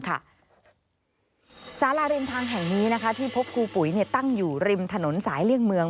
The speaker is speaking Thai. สาราริมทางแห่งนี้ที่พบครูปุ๋ยตั้งอยู่ริมถนนสายเลี่ยงเมือง